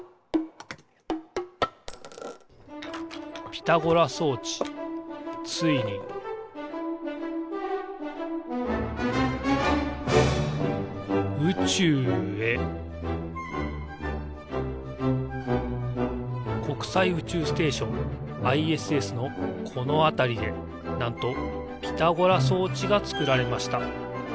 ピタゴラ装置ついに宇宙へ国際宇宙ステーションＩＳＳのこのあたりでなんとピタゴラ装置がつくられました。